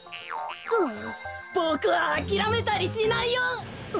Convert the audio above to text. ボクはあきらめたりしないよ！